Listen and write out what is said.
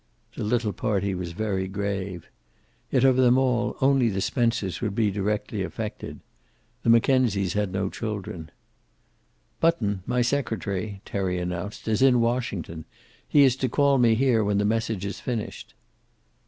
The little party was very grave. Yet, of them all, only the Spencers would be directly affected. The Mackenzies had no children. "Button, my secretary," Terry announced, "is in Washington. He is to call me here when the message is finished."